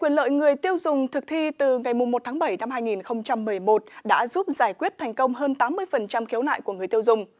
quyền lợi người tiêu dùng thực thi từ ngày một tháng bảy năm hai nghìn một mươi một đã giúp giải quyết thành công hơn tám mươi khiếu nại của người tiêu dùng